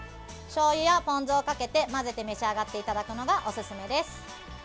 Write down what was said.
しょうゆやポン酢をかけて混ぜて召し上がっていただくのがおすすめです。